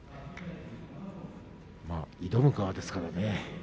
挑む側ですからね。